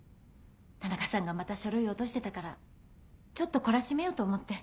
田中さんがまた書類落としてたからちょっと懲らしめようと思って。